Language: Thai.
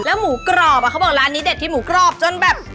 หมูกรอบเขาบอกร้านนี้เด็ดที่หมูกรอบจนแบบ